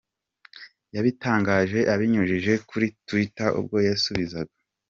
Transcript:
Yabitangaje abinyujije kuri Twitter, ubwo yasubizaga